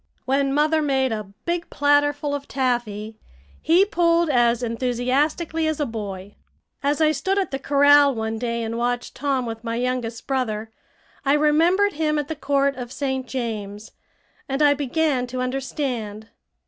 When mother made a big platter full of taffy, he pulled as enthusiastically as a boy. As I stood at the corral, one day, and watched Tom with my youngest brother, I remembered him at the court of St. James, and I began to understand.